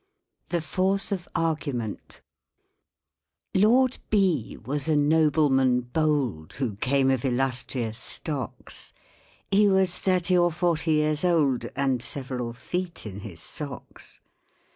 THE FORCE OF ARGUMENT LORD B. was a nobleman bold Who came of illustrious stocks, He was thirty or forty years old, And several feet in his socks.